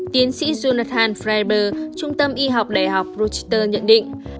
tiến sĩ jonathan freiberg trung tâm y học đại học rochester nhận định